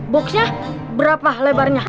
boxnya berapa lebarnya